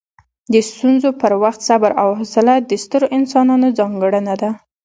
د ستونزو پر وخت صبر او حوصله د سترو انسانانو ځانګړنه ده.